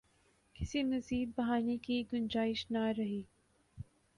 کسی مزید بہانے کی گنجائش نہ رہی۔